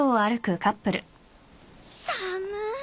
寒い！